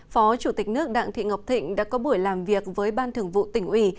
phó chủ tịch nước đặng thị ngọc thịnh đã có buổi làm việc với ban thường vụ tỉnh ủy